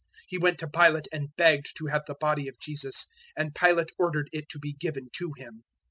027:058 He went to Pilate and begged to have the body of Jesus, and Pilate ordered it to be given to him.